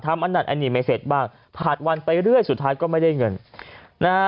อันนั้นอันนี้ไม่เสร็จบ้างผ่านวันไปเรื่อยสุดท้ายก็ไม่ได้เงินนะฮะ